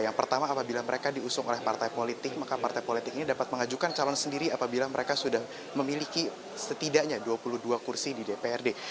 yang pertama apabila mereka diusung oleh partai politik maka partai politik ini dapat mengajukan calon sendiri apabila mereka sudah memiliki setidaknya dua puluh dua kursi di dprd